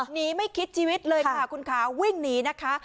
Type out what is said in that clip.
ไม่คิดชีวิตเลยค่ะคุณขาวิ่งหนีนะคะ